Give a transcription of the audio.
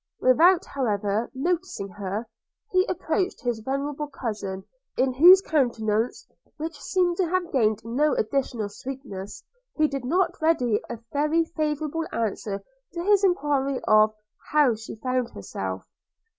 Without, however, noticing her, he approached his venerable cousin, in whose countenance, which seemed to have gained no additional sweetness, he did not read a very favourable answer to his enquiry of – how she found herself?